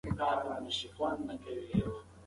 آیا پوهېږې چې بریالیتوب صبر غواړي؟